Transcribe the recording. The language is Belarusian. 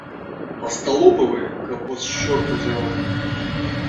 Асталопы вы, каб вас чорт узяў!